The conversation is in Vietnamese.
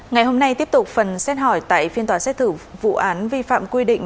ngày hôm nay tiếp tục phần xét hỏi tại phiên tòa xét thử vụ án vi phạm quy định